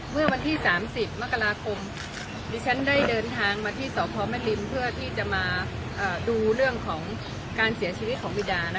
เมื่อวันที่๓๐มกราคมดิฉันได้เดินทางมาที่สพแม่ริมเพื่อที่จะมาดูเรื่องของการเสียชีวิตของบิดา